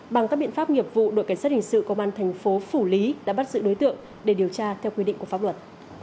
bằng các biện pháp nghiệp vụ đội cảnh sát hình sự công an thành phố phủ lý đã bắt giữ đối tượng để điều tra theo quy định của pháp luật